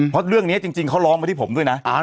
เพราะเรื่องนี้จริงเขาร้องมาที่ผมด้วยนะ